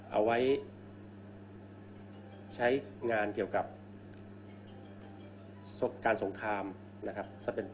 เอาไว้ใช้งานเกี่ยวกับการสงครามนะครับ